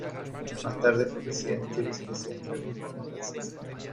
Más tarde fue presidente y vicepresidente de la Cruz Roja Francesa.